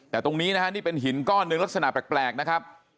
แต่ตรงนี้นะฮะนี่เป็นหินก้อนหนึ่งลักษณะแปลกนะครับ